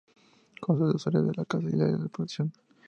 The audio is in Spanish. Consta de dos áreas: la casa y el área de producción.